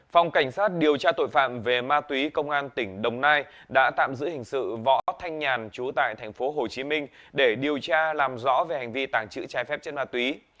phòng cảnh sát điều tra tội phạm về ma túy công an tỉnh đồng nai đã tạm giữ hình sự võ thanh nhàn chú tại tp hcm để điều tra làm rõ về hành vi tàng trữ trái phép chất ma túy